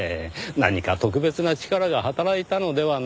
何か特別な力が働いたのではないか？